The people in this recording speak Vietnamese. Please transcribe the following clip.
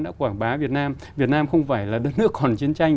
đã quảng bá việt nam không phải là đất nước còn chiến tranh